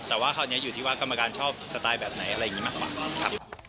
แต่ว่าคราวนี้อยู่ที่ว่ากรรมการชอบสไตล์แบบไหนอะไรอย่างนี้มากกว่าครับ